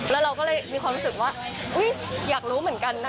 แล้วเราก็เลยมีความรู้สึกว่าอุ๊ยอยากรู้เหมือนกันนะ